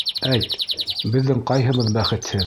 — Әйт, беҙҙең ҡайһыбыҙ бәхетһеҙ?